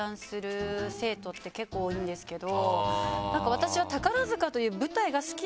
私は。